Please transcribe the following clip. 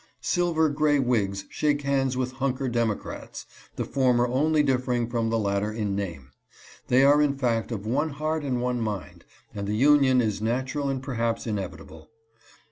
Silver Gray "Whigs shake hands with Hunker Democrats, the former only differing from the latter in name. They are in fact of one heart and one mind, and the union is natural and perhaps inevitable.